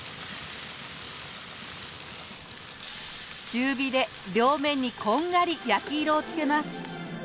中火で両面にこんがり焼き色をつけます。